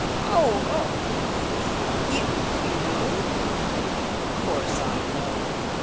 Oh! Oh! You know!" "Of course I know!"